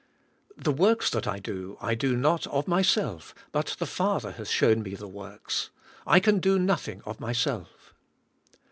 The works that I do I do not of myself, but the Father hath shown Me the works. I can do nothing of myself."